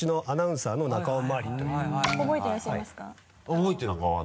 覚えてるよ。